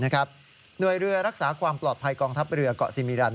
หน่วยเรือรักษาความปลอดภัยกองทัพเรือเกาะซีมิรันด